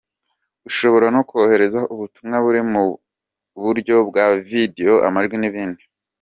Ushobora no kohereza ubutumwa buri mu buryo bwa video, amajwi n’ibindi.